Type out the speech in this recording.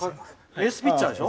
エースピッチャーでしょ？